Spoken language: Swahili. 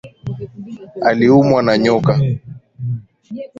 Aliumwa na nyoka